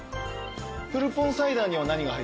フルポンサイダーには何が入ってるんですか？